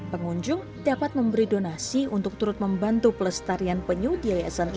pengunjung dapat memberi donasi untuk turut membantu pelestarian penyu di yayasan ini